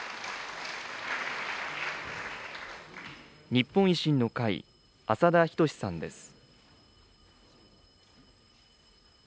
日本維新の会、浅田均さんです。